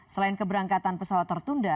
selain keberangkatan pesawat tertunda